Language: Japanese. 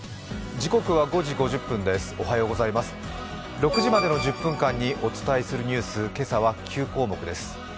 ６時までの１０分間にお伝えするニュース、今朝は９項目です。